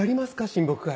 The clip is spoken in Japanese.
親睦会